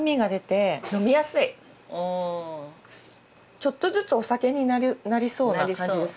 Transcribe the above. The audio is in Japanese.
ちょっとずつお酒になりそうな感じです。